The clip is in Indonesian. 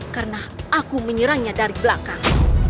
karena aku menyerangnya dari belakang